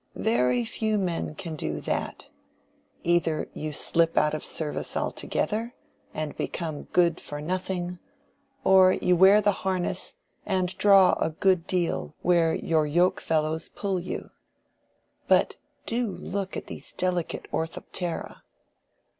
Very few men can do that. Either you slip out of service altogether, and become good for nothing, or you wear the harness and draw a good deal where your yoke fellows pull you. But do look at these delicate orthoptera!"